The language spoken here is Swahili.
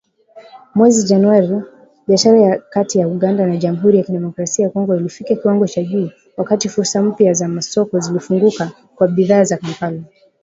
mwezi Januari, biashara kati ya Uganda na Jamhuri ya Kidemokrasia ya Kongo ilifikia kiwango cha juu, wakati fursa mpya za masoko zikafunguka kwa bidhaa za Kampala.